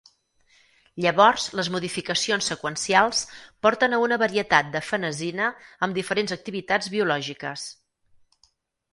Llavors les modificacions seqüencials porten a una varietat de fenazina amb diferents activitats biològiques.